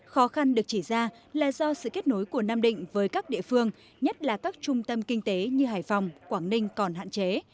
khó khăn được chỉ ra là do sự kết nối của nam định với các địa phương nhất là các trung tâm kinh tế như hải phòng quảng ninh còn hạn chế